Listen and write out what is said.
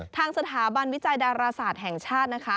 ทางสถาบันวิจัยดาราศาสตร์แห่งชาตินะคะ